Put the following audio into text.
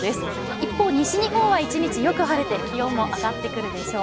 一方、西日本は１日よく晴れて気温も上がってくるでしょう。